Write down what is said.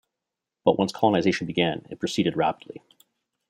But once colonization began, it proceeded rapidly.